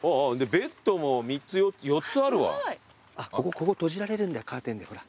ここ閉じられるんだカーテンで。